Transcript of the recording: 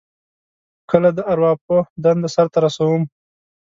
کله د ارواپوه دنده سرته رسوم.